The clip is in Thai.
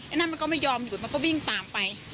นั่นมันก็ไม่ยอมหยุดมันก็วิ่งตามไป